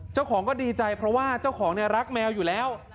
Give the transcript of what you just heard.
เจ้าของก็ดีใจเพราะว่าเจ้าของเนี่ยรักแมวอยู่แล้ว